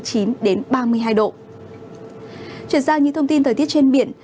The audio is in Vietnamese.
chuyển sang những thông tin thời tiết trên biển